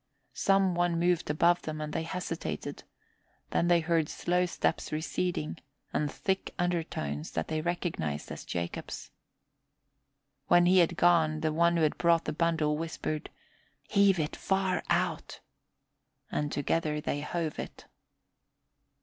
Some one moved above them and they hesitated, then they heard slow steps receding and thick undertones that they recognized as Jacob's. When he had gone, the one who had brought the bundle whispered, "Heave it far out," and together they hove it.